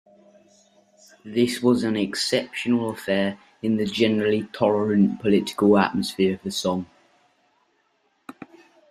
This was an exceptional affair in the generally tolerant political atmosphere of the Song.